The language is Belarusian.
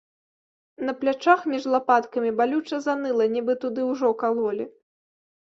На плячах, між лапаткамі, балюча заныла, нібы туды ўжо калолі.